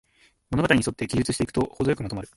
物語にそって記述していくと、ほどよくまとまる